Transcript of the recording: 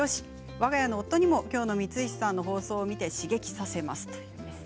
わが家の夫にもきょうの光石さんの放送を見せて刺激させます。